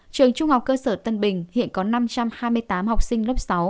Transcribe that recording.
trường trung học cơ sở tân bình hiện có năm trăm hai mươi tám học sinh lớp sáu